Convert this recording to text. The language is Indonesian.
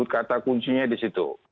kata kuncinya di situ